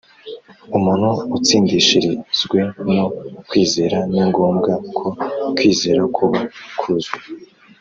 umuntu atsindishirizwe no kwizera ningombwa ko kwizera kuba kuzuye